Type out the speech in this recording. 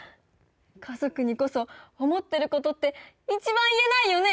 家族にこそ思ってることって一番言えないよね？